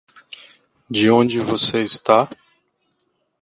De onde você está?